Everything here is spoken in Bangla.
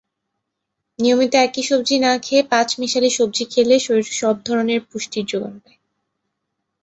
নিয়মিত একই সবজি না খেয়ে পাঁচমিশালী সবজি খেলে শরীর সব ধরনের পুষ্টির জোগান পায়।